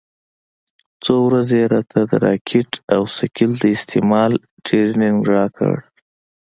څو ورځې يې راته د راکټ او ثقيل د استعمال ټرېننگ راکړ.